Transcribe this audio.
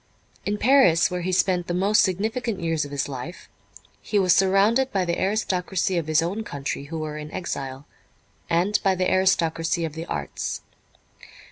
In Paris, where he spent the most significant years of his life, he was surrounded by the aristocracy of his own country who were in exile, and by the aristocracy of the arts.